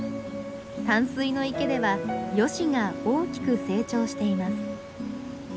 淡水の池ではヨシが大きく成長しています。